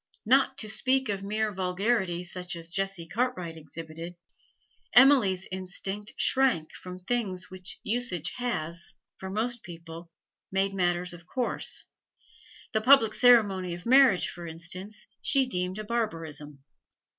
Not to speak of mere vulgarity such as Jessie Cartwright exhibited, Emily's instinct shrank from things which usage has, for most people, made matters of course; the public ceremony of marriage, for instance, she deemed a barbarism.